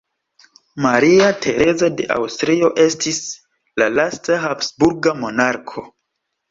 Maria Tereza de Aŭstrio estis la lasta habsburga monarko.